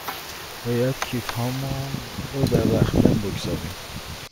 باید کیف هامان را در رختکن بگذاریم.